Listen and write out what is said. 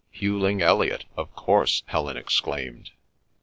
"Hughling Elliot! Of course!" Helen exclaimed.